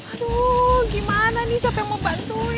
aduh gimana nih siapa yang mau bantuin